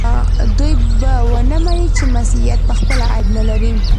دوی به ونه مني چې مسیحیت پخپله عیب نه لري.